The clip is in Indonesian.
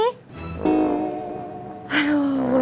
kode untuk ngasih tau temennya untuk lari